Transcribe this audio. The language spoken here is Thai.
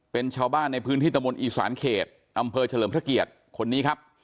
เป็นชาวบ้านในพื้นที่ตะมนต์อีสานเขตอำเภอเฉลิมพระเกียรติคนนี้ครับ